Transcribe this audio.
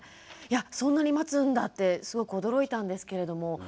いやそんなに待つんだってすごく驚いたんですけれども。